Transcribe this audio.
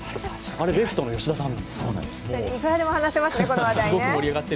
レフトの吉田さん。